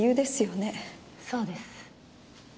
そうです。